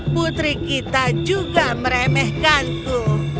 putri kita juga meremehkanku